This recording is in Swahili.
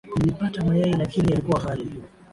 Nilipata mayai lakini yalikuwa ghali.